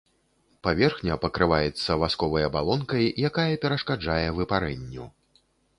Паверхня пакрываецца васковай абалонкай, якая перашкаджае выпарэнню.